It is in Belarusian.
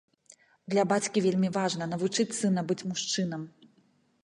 Для бацькі вельмі важна навучыць сына быць мужчынам.